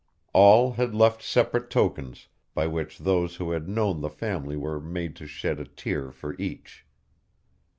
All had left separate tokens, by which those who had known the family were made to shed a tear for each.